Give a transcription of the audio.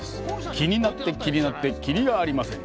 気になって、気になって、きりがありません。